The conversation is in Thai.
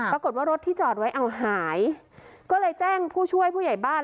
ปรากฏว่ารถที่จอดไว้เอาหายก็เลยแจ้งผู้ช่วยผู้ใหญ่บ้าน